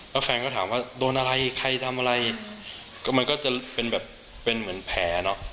แล้วแฟนก็ถามว่าโดนอะไรใครทำอะไรก็มันก็จะเป็นแบบเป็นเหมือนแผลเนอะ